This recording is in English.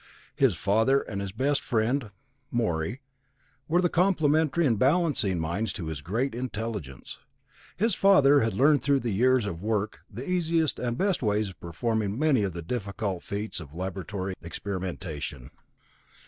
His father and his best friend, Morey, were the complimentary and balancing minds to his great intelligence. His father had learned through years of work the easiest and best ways of performing the many difficult feats of laboratory experimentation.